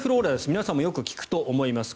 皆さんもよく聞くと思います。